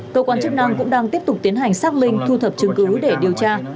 tổ quán chức năng cũng đang tiếp tục tiến hành xác minh thu thập chứng cứ để điều tra